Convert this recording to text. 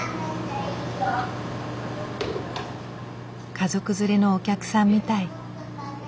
家族連れのお客さんみたい。